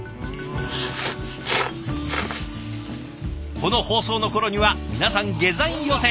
この放送の頃には皆さん下山予定。